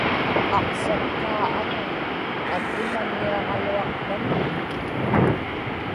aqsakkaa aŋun akimaniaġaluaqtaŋanik